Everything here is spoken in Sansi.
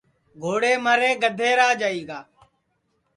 گھوڑے مرے گدھے راج آئی گا